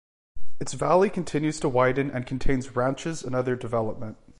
Its valley continues to widen and contains ranches and other development.